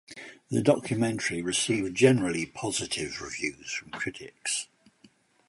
The documentary received generally positive reviews from critics.